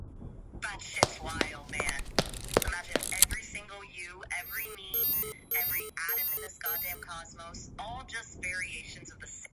Her motto is Semper Excelsius!